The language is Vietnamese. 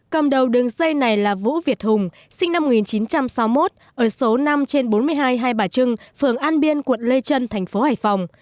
cầm đầu đường dây này là vũ việt hùng sinh năm một nghìn chín trăm sáu mươi một ở số năm trên bốn mươi hai hai bà trưng phường an biên quận lê trân thành phố hải phòng